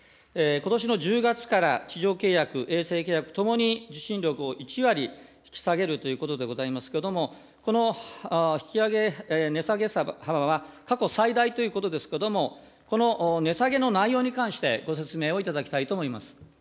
ことしの１０月から、地上契約、衛星契約ともに受信料を１割引き下げるということでございますけれども、値下げ幅は過去最大ということですけども、この値下げの内容に関して、ご説明をいただきたいと思います。